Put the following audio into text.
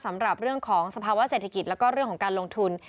สำหรับเรื่องของสภาวะเศรษฐกิจแล้วก็เรื่องของการลงทุน